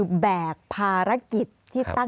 สวัสดีครับทุกคน